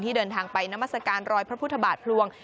เดินทางไปนามัศกาลรอยพระพุทธบาทพลวง